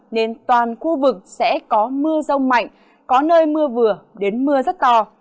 nên toàn khu vực sẽ có mưa rông mạnh có nơi mưa vừa đến mưa rất to